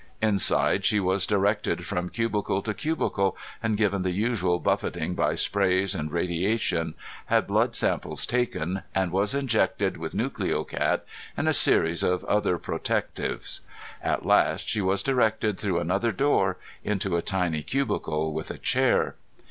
Inside, she was directed from cubicle to cubicle and given the usual buffeting by sprays and radiation, had blood samples taken and was injected with Nucleocat and a series of other protectives. At last she was directed through another door into a tiny cubicle with a chair.